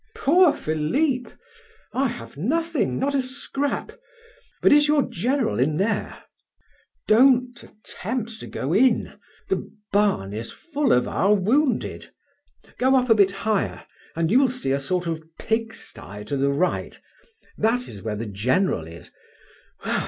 "Poor Philip! I have nothing not a scrap! But is your General in there?" "Don't attempt to go in. The barn is full of our wounded. Go up a bit higher, and you will see a sort of pig sty to the right that is where the General is.